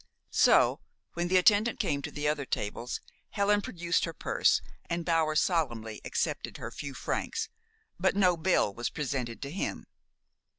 So, when the attendant came to the other tables, Helen produced her purse, and Bower solemnly accepted her few francs; but no bill was presented to him.